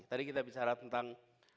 tadi kita bicara tentang